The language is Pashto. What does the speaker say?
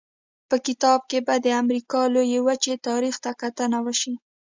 په کتاب کې به د امریکا لویې وچې تاریخ ته کتنه وشي.